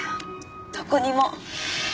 どこにも。